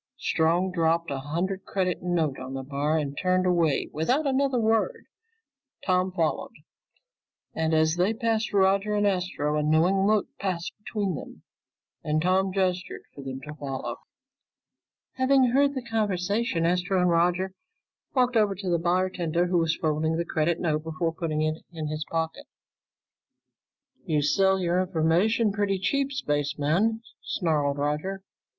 Strong dropped a hundred credit note on the bar and turned away without another word. Tom followed, and as they passed Roger and Astro, a knowing look passed between them, and Tom gestured for them to follow. Having heard the conversation, Astro and Roger walked over to the bartender who was folding the credit note before putting it in his pocket. "You sell your information pretty cheap, spaceman," snarled Roger.